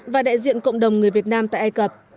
và đại diện cộng đồng người việt nam tại ai cập